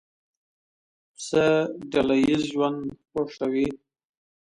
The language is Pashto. پسه ډله ییز ژوند خوښوي.